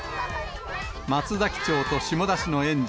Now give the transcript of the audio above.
松崎町と下田市の園児